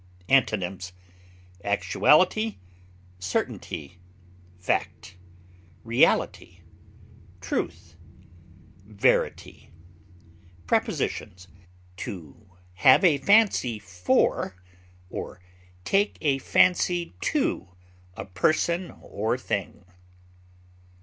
Antonyms: actuality, certainty, fact, reality, truth, verity. Prepositions: To have a fancy for or take a fancy to a person or thing.